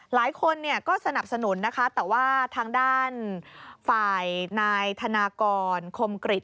หลายคนก็สนับสนุนนะคะแต่ว่าทางด้านฝ่ายนายธนากร